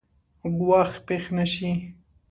ګواښ پېښ نه شي.